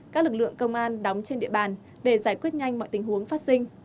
các lực lượng công an đóng trên địa bàn để giải quyết nhanh mọi tình huống phát sinh